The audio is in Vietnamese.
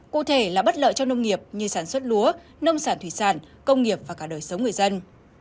cụ thể là bất lợi cho nông nghiệp như sản xuất lúa nông sản thủy sản công nghiệp và cả đời sống người dân